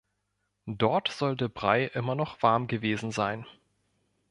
Dort soll der Brei immer noch warm gewesen sein.